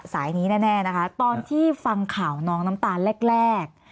สายนี้แน่นะคะตอนที่ฟังข่าวน้องน้ำตาลแรก